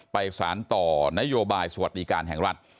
สารต่อนโยบายสวัสดิการแห่งรัฐ